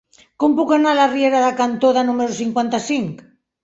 Com puc anar a la riera de Can Toda número cinquanta-cinc?